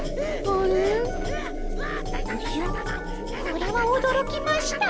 これはおどろきました。